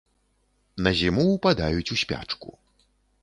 На зіму ўпадаюць у спячку.